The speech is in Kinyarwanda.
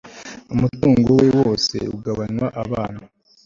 umutungo we wose ugabanywa abana